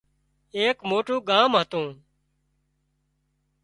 ايڪ موٽُون ڳام هتُون